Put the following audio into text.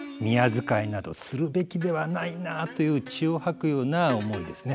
「宮仕えなどするべきではないな」という血を吐くような思いですね。